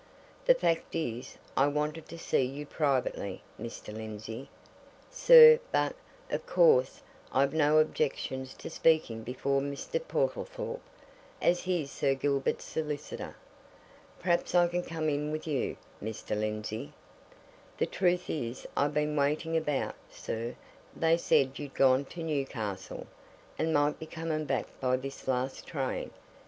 "The fact is, I wanted to see you privately, Mr. Lindsey, sir but, of course, I've no objections to speaking before Mr. Portlethorpe, as he's Sir Gilbert's solicitor. Perhaps I can come in with you, Mr. Lindsey? the truth is, I've been waiting about, sir they said you'd gone to Newcastle, and might be coming back by this last train.